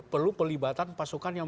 perlu pelibatan pasukan yang